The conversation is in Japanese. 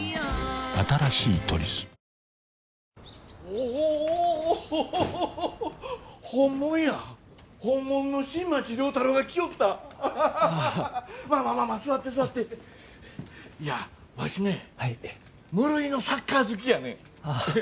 新しい「トリス」おお本物や本物の新町亮太郎が来よったああまあまあまあまあ座って座っていやわしね無類のサッカー好きやねん